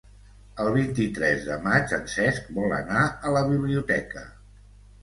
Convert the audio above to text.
El vint-i-tres de maig en Cesc vol anar a la biblioteca.